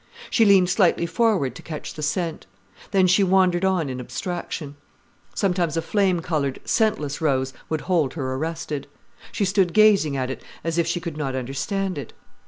She leaned slightly forward to catch the scent. Then she wandered on in abstraction. Sometimes a flame coloured, scentless rose would hold her arrested. She stood gazing at it as if she could not understand it.